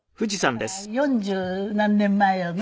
だから四十何年前よね。